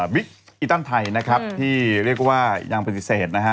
อีตันไทยนะครับที่เรียกว่ายังปฏิเสธนะฮะ